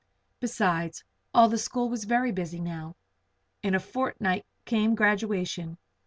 Besides, all the school was very busy now. In a fortnight would came graduation.